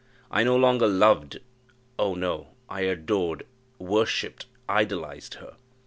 I no longer loved oh no! I adored worshipped idolized her!